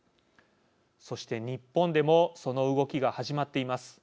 そして日本でもその動きが始まっています。